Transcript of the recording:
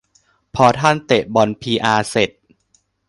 พอท่านเตะบอลพีอาร์เสร็จ